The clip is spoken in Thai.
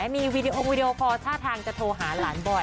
มีวีดีโอวีดีโอคอลท่าทางจะโทรหาหลานบ่อย